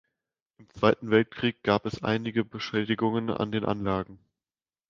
Im Zweiten Weltkrieg gab es einige Beschädigungen an den Anlagen.